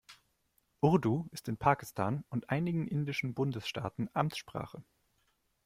Urdu ist in Pakistan und einigen indischen Bundesstaaten Amtssprache.